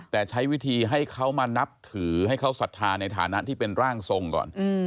แต่ใช้วิธีให้เขามานับถือให้เขาศรัทธาในฐานะที่เป็นร่างทรงก่อน